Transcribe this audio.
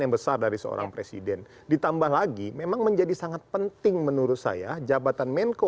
yang besar dari seorang presiden ditambah lagi memang menjadi sangat penting menurut saya jabatan menko